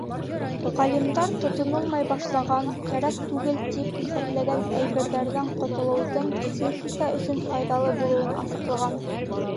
Ғалимдар тотонолмай башлаған, кәрәк түгел тип иҫәпләгән әйберҙәрҙән ҡотолоуҙың психика өсөн файҙалы булыуын асыҡлаған.